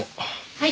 はい。